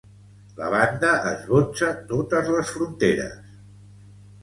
La banda esbotza totes les fronteres.